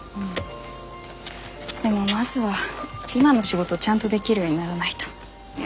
でもまずは今の仕事ちゃんとできるようにならないと。